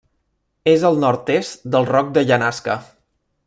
És al nord-est del Roc de Llenasca.